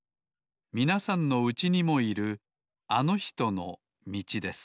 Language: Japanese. みなさんのうちにもいるあのひとのみちです